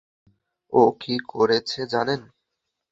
ও কী করেছে জানেন?